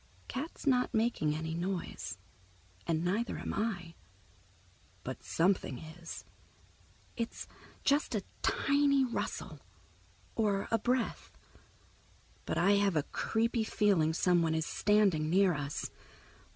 Cat's not making any noise, and neither am I, but something is. It's just a tiny rustle, or a breath, but I have a creepy feeling someone is standing near us.